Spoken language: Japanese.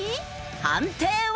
判定は？